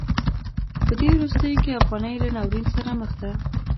په دې وروستیو کې افغانۍ له ناورین سره مخ ده.